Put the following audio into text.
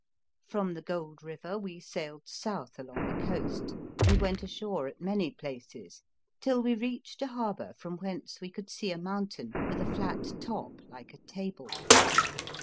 From the Gold River we sailed south along the coast, and went ashore at many places, till we reached a harbour from whence we could see a mountain with a flat top like a table.